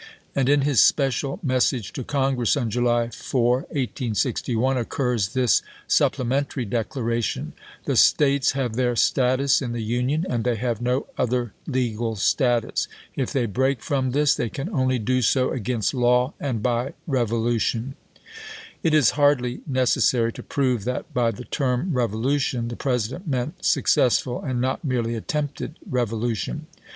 And in his special message isei. to Congress on July 4, 1861, occurs this supplemen tary declaration :" The States have their status in the Union, and they have no other legal status. If they break from this they can only do so against law and by revolution." It is hardly necessary to prove that by the term " revolution " the President meant successful, and not merely attempted, revolution.